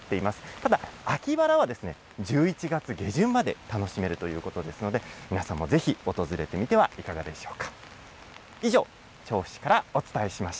ただ、秋バラは１１月下旬まで楽しめるということですので、皆さんもぜひ訪れてみてはいかがでしょうか。